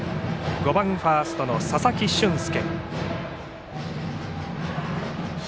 ５番ファースト佐々木駿介。